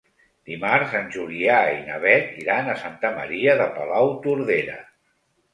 Dimarts en Julià i na Beth iran a Santa Maria de Palautordera.